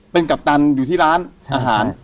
เป็นกัปตันอยู่ที่ร้านอาหาร